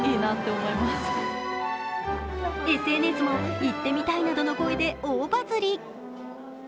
ＳＮＳも行ってみたいなどの声で大バズり。